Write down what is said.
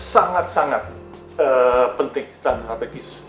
sangat sangat penting di tanah strategis